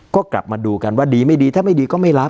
ก็กลับมาดูกันว่าดีไม่ดีถ้าไม่ดีก็ไม่รับ